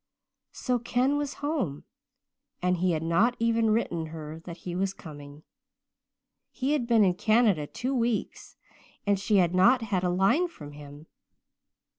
So Ken was home and he had not even written her that he was coming. He had been in Canada two weeks and she had not had a line from him.